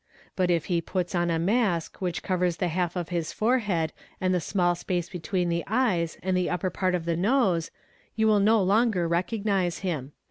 But if he puts on a mask which covers the half of his forehead and the small space between the eyes and the upper part of the nose, you will no longer recognise him."